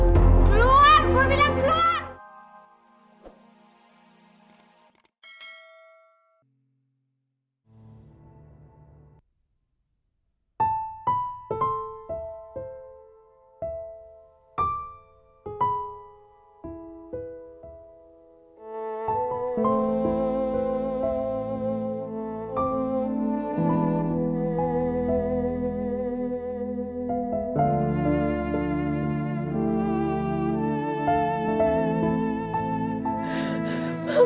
keluar gue bilang keluar